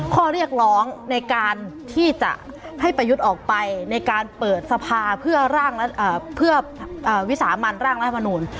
ข้อเรียกร้องในการที่จะให้ประยุทธ์ออกไปในการเปิดสภาเพื่อวิสามันร่างรัฐมนูล